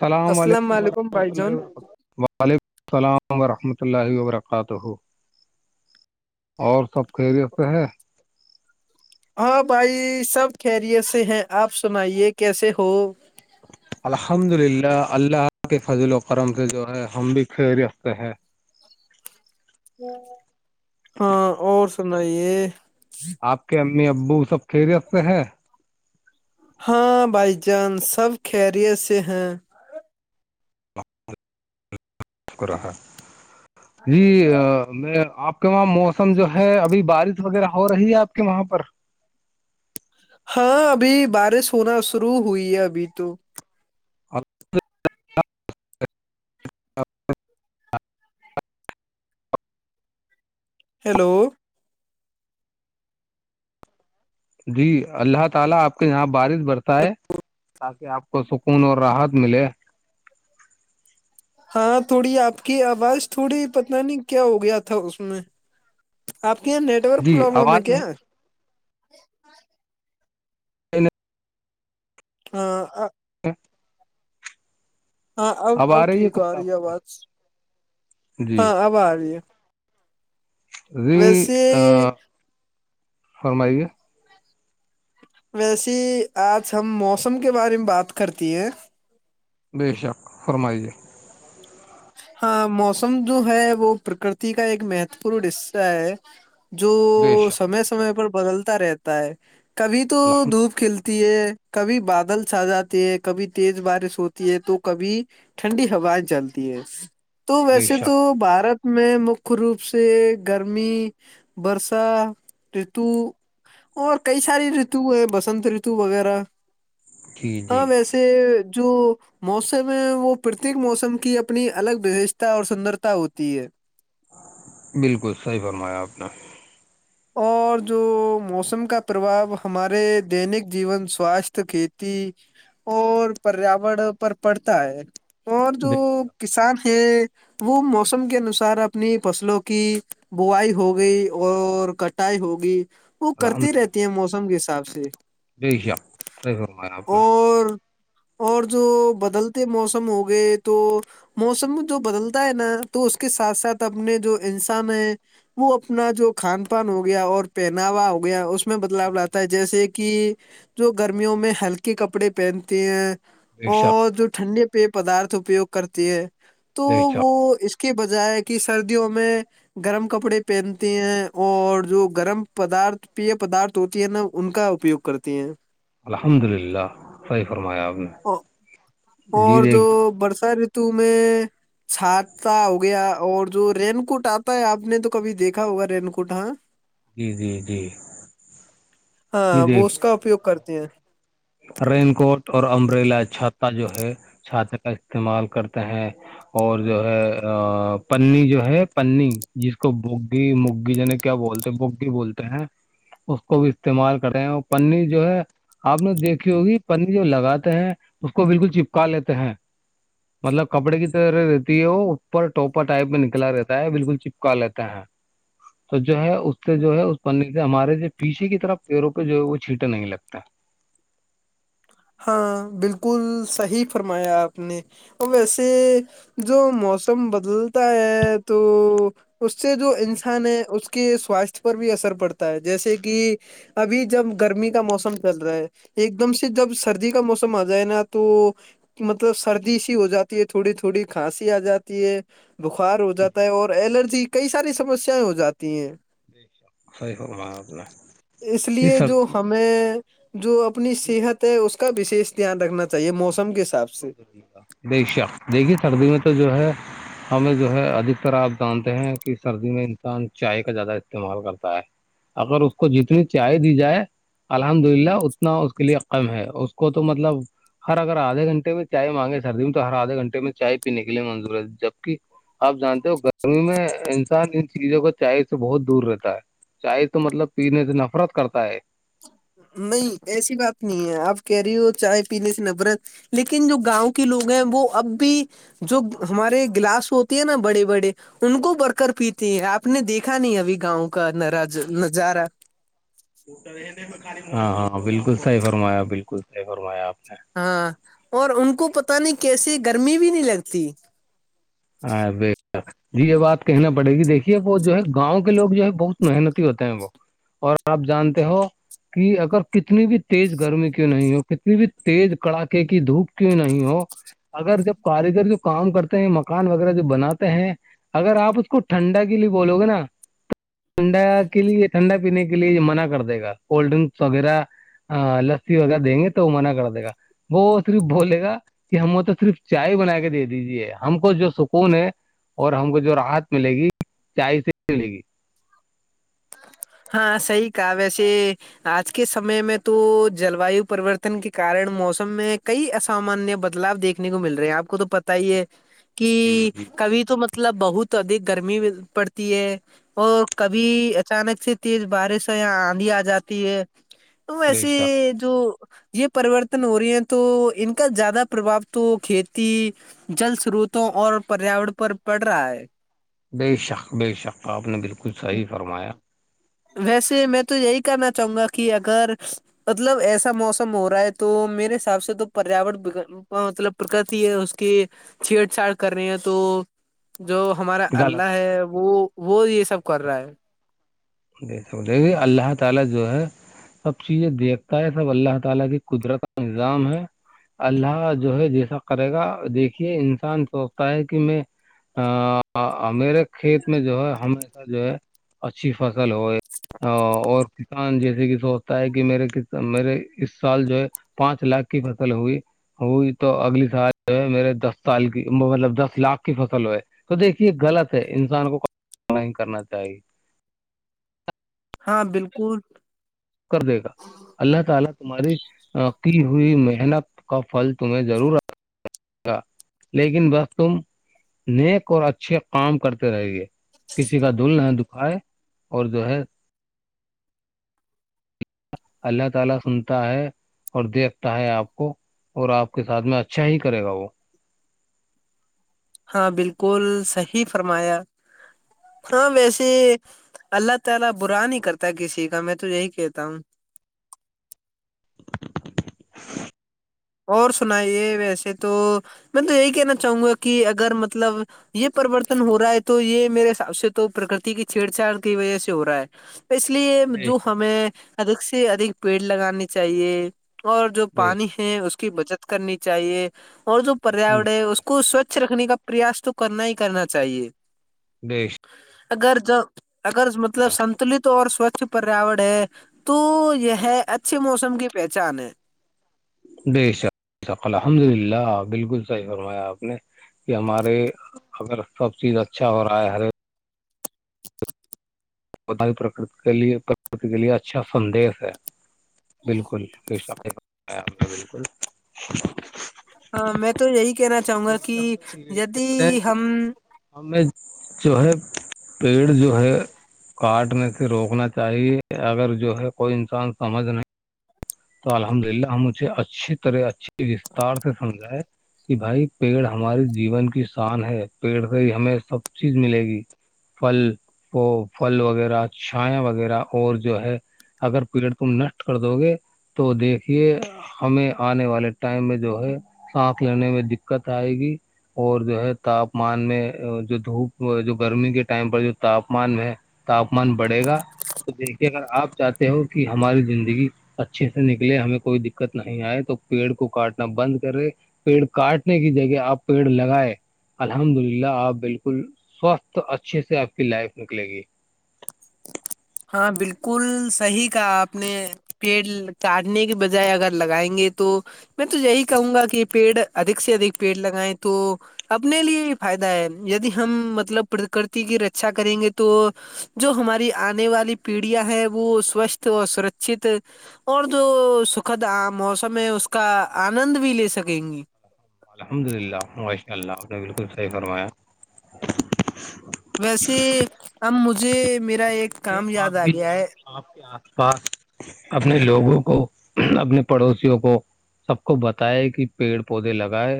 سلام السلام علیکم ورحمۃ بھائی اللہ جان وبرکاتہ وعلیکم السلام ورحمۃ اللہ وبرکاتہ [unintelligible] اور سب خیریت سے ہے ہاں بھائی سب خیریت سے ہیں آپ سنائیے کیسے ہو الحمد للہ اللہ کے فضل وکم سے جو ہے ہم بھی خریت سے ہیں ہاں اور سنائیے آپ کے امی ابو سب خیریت سے ہیں ہاں بھائی جان سب خریت سے ہیں جی میں آپ [unintelligible] وہاں موسم جو ہے ابھی بارش وغیرہ ہو رہی ہے آپ کے وہاں پر ہاں ابھی بارش ہونا شروع ہوئی ہے ابھی تو ہیلو جی اللہ تعالی اپ کے ہاں بارش برتا ہے تاکہ آپ کو سکون اور راحت ملے ہاں تھوڑی آپ کی آواز تھوڑی پتہ نہیں کیا ہو گیا تھا اس میں آپ کے یہاں نیٹورک جی پرابلم ہے آواز کیا نہیں ہاں ہ [unintelligible] ہاں اب اب ہے ٹھیک آ کون آپ رہی ہےآواز جی ہاں اب آ رہی ہے جی ویسے فرمائیے ویسیے آج ہم موسم کے بارے میں بات کرتی ہیں بے شک فرمائیے ہاں موسم جو ہے وہ پرکرتی کا ایک مہتوپورن حصہ ہے بے جو شک سمے سمے پر بدلتا رہتا ہے کبھی تو الحمد دھوپ کھلتی ہے کبھی بادل چھا جاتے ہے کبھی تیز بارش ہوتی ہے تو کبھی ٹھنڈی ہوائیں چلتی ہے تو بے ویسے تو شک بھارت میں مک روپ سے گرمی برسا رتو اور کئی ساری رتو ہیں بسنت رتو وغیرہ جی جی ہاں ویسے جو موسم ہے وہ پرتیک موسم کی اپنی الگ وشتا اور سندرتا ہوتی ہے بالکل صحیح فرمایا آپ نے اور جو موسم کا پربؤ ہمارے دینک جیون سواستھ کھیتی اور پریاور پر پڑتا ہے اور جو بے شک کسان ہیں وہ موسم کے انوسار اپنی فصلوں کی بووائی ہو گئی اور کٹائی ہوگی وہ کرتی رہتی ہے موسم کے حساب سے جیش آپ کرم اور اور جو بدلتے موسم ہو گئے تو موسم جو بدلتا ہے نا تو اس کے ساتھ ساتھ اپنے جو انسان ہیں وہ اپنا جو کھان پان ہو گیا اور پہناوا ہو گیا اس میں بدلاؤ لاتا ہے جیسے کہ جو گرمیوں میں ہلکے کپڑے پہنتے ہیں بے اور شک جو ٹھنڈے پی پدارت اپیوگ کرتی ہے تو بے شک وہ اس کے بجائے کہ سردیوں میں گرم کپڑے پہنتی ہیں اور جو گرم پدارت پیے پدارتھ ہوتی ہے نا ان کا اپیوگ کرتی ہیں الحمد للہ صحیح فرمایا آپ نے ہیں جی اور جو دیکھ برسا ریتو میں چھاتتا ہو گیا اور جو رین کوٹ آتا ہے آپ نے تو کبھی دیکھا ہوگا رین کوٹ ہاں جی جی جی ہاں جی وہ دیکھ اس کا اپیوگ کرتے ہیں رین کوٹ اور امبریلا چھاتا جو ہے چھات کا استعمال کرتے ہیں اور جو ہے پنی جو ہے پنی جس کو بگی مگی جنے کیا بولتے ہیں بگی بولتے ہیں اس کو بھی استعمال کر رہے ہیں اور پنی جو ہے آپ نے دیکھ ہوگی جو لگاتے ہیں اس کو بالکل چپکا لیتے ہیں مطلب کپڑے کی طرح رہتی ہے وہ اوپر ٹوپا ٹائپ میں نکلا رہتا ہے بالکل چپکا لیتا ہے [inaudible] تو جو ہے اس سے جو ہے اس پنی سے ہمارے جو پیچھے کی طرف پیڑوں پہ جو ہے وہ چھینٹا نہیں لگتا ہاں بالکل صحیح فرمایا آپ نے اور ویسے جو موسم بدلتا ہے تو اس سے جو انسان ہے اس کے سواستھ پر بھی اثر پڑتا ہے جیسے کہ ابھی جب گرمی کا موسم چل رہا ہے ایک دم سے جب سردی کا موسم آ جائے نا تو مطلب سردی سی ہو جاتی ہے تھوڑی تھوڑی کھانسی آ جاتی ہے بخار ہو جاتا جی ہے اور الرجی کئی ساری سمسیایں ہو جاتی ہیں صحیح ہو رہا اپنا یہ سر ہم جو اپنی صحت ہے اس کا وشیش دھیان رکھنا چاہیے موسم کے حساب سے دیکا دیکھیے سردی میں تو جو ہے ہمیں جو ہے ادھکتر آپ جانتے ہیں کہ سردی میں انسان چائے کا زیادہ استعمال کرتا ہے اگر اس کو جتنی چائے دی جائے الحمد للہ اتنا اس کے لیے کم ہے اس کو تو مطلب ہر اگر آدھے گھنٹے میں چائے مانگے سردی میں تو ہر آدھے گھنٹے میں چائے پینے کے لیے منظور ہے جبک آپ جانتے ہو گرمی میں انسان ان چیزوں کو چائے سے بہت دور رہتا ہے چائے تو مطلب پینے سے نفرت کرتا ہے نہیں ایسی بات نہیں ہے آپ کہہ رہی ہو چائے پینے سے نبرت لیکن جو گاؤں کے لوگ ہیں وہ اب بھی جو ہمارے گلاس ہوتی ہے نا بڑے بڑے ان کو بڑ کر پیتے ہیں آپ نے دیکھا نہیں ابھی گاؤں کا نراج نظارہ ہاں ہاں بالکل صحیح فرمایا بالکل صح فرمایا آپ نے ہاں اور ان کو پتہ نہیں کیسے گرمی بھی نہیں لگتی جی یہ بات کہنا پڑے گی دیکھیے وہ جو ہے گاؤں لوگ جو ہے بہت محنتی ہوتے ہیں وہ اور آپ جانتے ہو کہ اگر کتنی بھی تیز گرمی کیوں نہیں ہو کتنی بھی تیز کڑاکے کی دھوپ کیوں نہیں ہو اگر جب کاریگر جو کام کرتے ہیں مکان وغیرہ جو بناتے ہیں اگر آپ اس کو ٹھنڈا کے لیے بولو گے نا ٹھنڈا کے لیے ٹھنڈا پینے کے لیے یہ منع کر دے گا کولڈ ڈرنکس وغیرہ ہاں لستسیی ہوگ دیںے وہ من کر دا وہ صرف بولے گا کہ ہم وہ تو صرف چائے بنا کے دے دیجے ہم ہم کو جو سکون ہے اور ہم کو جو راحت ملے گی چائے سے ملے گی ہاں سی کا ویسے آج کے سمے میں تو جلوایو پرریوررتن کے کارن موسم میں کئی اسامانیہ بدلاؤ دیکھے نے کو مل رہے ہیں آ کو تو پتا ہی ہے جی کہ جی کبھی تو مطلب بہت ادک گرمی پڑتی ہے اور کبھی اچانک سے تیز بارش ہے یہاں آندھی آ جاتی ہے تو بے ویسی شک جو یہ پرورتن ہو رہی ہیں تو ان کا زیادہ پرباؤ تو کھیتی جل سروتوں اور پریاورن پر پڑ رہا ہے بےشک بے شق آپ نے بالکل صحیح فرمایا ویسے میں تو یہی کرنا چاہوں گا کہ اگر مطلب ایسا موسم ہو رہا ہے تو میرے حساب سے تو پریاور مطلب پرکتی ہے اس کی چھیڑ چھاڑ کر رہے ہیں تو جو ہمارا غلط اللہ ہے وہ وہ یہ سب کر رہا ہے [unintelligible] دیکھ پائے اللہ تعالی کی قدرت کا نظام ہے اللہ جو ہے جیسا کرے گا دیکھیے انسان سوچتا ہے کہ میں میرے کھیت میں جو ہے ہمیشہ جو ہے اچھی فصل ہو اور کسان جیسے کہ سوچتا ہے کہ میرے ک میرے اس سال جو ہے پانچ لاکھ کی فصل ہوئی وہی تو اگلی سال جو ہے میرے دس سال کی مطلب دس لاکھ کی فصل ہوئے تو دیکھیے غلط ہے انسان کو نہیں کرنا چاہیے ہاں بالکل کر دے گا اللہ تعالی ہماری کی ہوئی محنت کا پھل ضرور دے گا لیکن بس تم نیک اور اچھے کام کرتے رہ گے کسی کا دھول نہ دکھائے اور جو ہے اللہ تعالی سنتا ہے اور دیکھتا ہے آپ کو اور آپ کے ساتھ میں اچھا ہی کرے گا وہ ہاں بالکل صحیح فرمایا ہاں ویسے اللہ تعالی کسی کا برا نہیں کرتا میں تو یہی کہتا ہوں اور سنائیے ویسے تو میں تو یہی کہنا چاہوں گا کہ اگر مطلب یہ پرریوررتن ہو رہا ہے تو یہ میرے حساب سے تو پرکرتی کی چھیڑ چھاڑ کی وجہ سے ہو رہا ہے اس لیے بے جو شک ہمیں ادھک سے ادک پیڑ لگانے چاہیے اور جو بے پانی شک ہے اس کی بچت کرنی چاہیے اور جو پریاور الحمد ہے اس للہ کو سوچھ رکھنے کا پریاس تو کرنا ہی کرنا چاہیے دش اگر ج اگر مطلب سنتلت اور سوچھ پریاور ہے تو یہ اچھے موسم کی پہچان ہے بے الحمد للہ بالکل صحیح فرمایا آپ نے کہ ہمارے اگر سب چیز اچھا ہو رہا ہے ہر بک کے لیے پرکتی کے لیے اچھا سندیش ہے بالکل یہ س بالکل ہاں میں تو یہی کہنا چاہوں گا ہم تو یہی کہ دی کہتے ہیں ہم کہ ہمیں جو ہے پیڑ جو ہے کاٹنے سے روکنا چاہیے اگر جو ہے کوئی انسان سمجھ نہیں تو الحمد للہ ہم مجھے اچھی طرح اچے وسستار سے سمجھائے کہ بھائی پیڑ ہمارے جیون کی شان ہے پیڑ سے ہمیں سب چیز ملے گی پھل وہ پھل وغیرہ چھایا وغیرہ اور جو ہے اگر پیریڈ تم نشٹ کر دو گے تو دیکھیے ہمیں آنے والے ٹائم میں جو ہے سانس لینے میں دقت آئے گی اور جو ہے تاپمان میں جو دھوپ جو گرمی کے ٹائم پر جو تاپمان میں ہے تاپمان بڑھے گا تو دیکھیے اگر آپ چاہتے ہو کہ ہماری زندگی اچھے سے نکلے ہمیں کوئی دقت نہیں آئے تو پیڑ کو کاٹنا بند کرے پیڑ کاٹنے کی جگہ آپ پیڑ لگائے الحمد للہ آپ بالکل سوستھ اچھے سے آپ کی لائف نکلے گی ہاں بالکل صحیح کا آپ نے پیڑ چاٹنے کے بجائے اگر لگائیں گے تو میں تو یہی کہوں گا کہ پیڑ ادک سے ادک پیڑ لگائیں تو اپنے لیے ہی فائدہ ہے ید ہم مطلب پرکرتی کی رکچا کریں گے تو جو ہماری آنے والی پیڑیاں ہیں وہ سوستھ اور سرکچت اور جو سکھد موسم ہے اس کا آنند بھی لے سکیں گے الحمد للہ واشاء اللہ آپ نے بالکل صحیح فرمایا ویسے اب مجھے میرا ایک کام یاد آ گیا ہے آپ کے آس پاس اپنے لوگوں کو اپنے پڑوسیوں کو سب کو بتائے کہ پیڑ پودے لگائے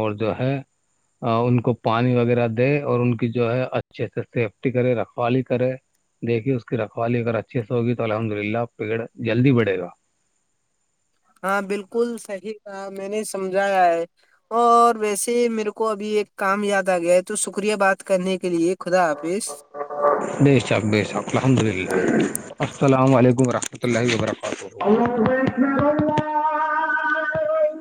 اور جو ہے ان کو پانی وغیرہ دے اور ان کی جو ہے اچھے سے سیفٹی کرے رکھوالی کرے دیکھیے اس کی رکھوالی اگر اچھیے سے ہوگی تو الحمد للہ پیڑ جلدی بڑے گا ہاں بالکل صحیح تھا میں نے سمجھایا ہے اور ویسے ہی میرے کو ابھی ایک کام یاد آ گیا ہے تو شکریہ بات کرنے کے لیے خدا حافظ بے شاک ب شاک الحمد للہ السلام علیکم ورحمۃ اللہ وبرکاتہ